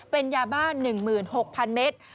เป็นยาบ้าน๑๖๐๐๐เมตร